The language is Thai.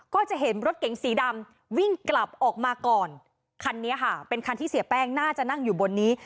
ก็จะเห็นรถเก๋งสีดำวิ่งกลับออกมาก่อนคันนี้ค่ะเป็นคันที่เสียแป้งน่าจะนั่งอยู่บนนี้